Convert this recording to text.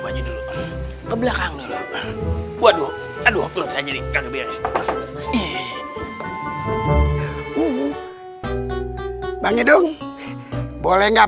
baju dulu ke belakang dulu waduh aduh perut saya jadi enggak beres bang edung boleh nggak